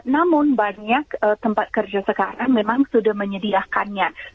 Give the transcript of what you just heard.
namun banyak tempat kerja sekarang memang sudah menyediakannya